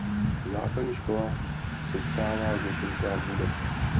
Základní škola sestává z několika budov.